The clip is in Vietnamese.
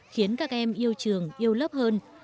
khiến các em yêu trường yêu lớp hơn